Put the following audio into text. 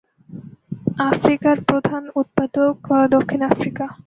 আফ্রিকার প্রধান উৎপাদক দক্ষিণ আফ্রিকা।